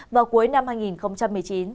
vào cuối năm hai nghìn một mươi chín